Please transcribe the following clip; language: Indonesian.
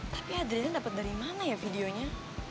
tapi adrilin dapat dari mana ya videonya